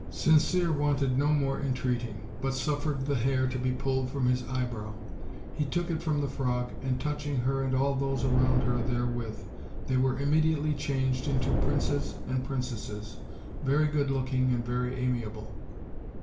Sincere wanted no more entreating, but suffered the hair to be pulled from his eyebrow. He took it from the frog, and touching her and all those around her there with, they were immediately changed into princes and princesses, very good looking and very amiable.